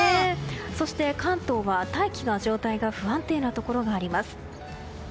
そして、関東は大気の状態が不安定なところがあります。